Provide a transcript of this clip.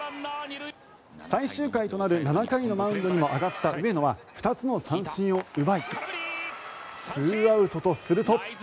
最終回となる７回のマウンドにも上がった上野は２つの三振を奪い２アウトとすると。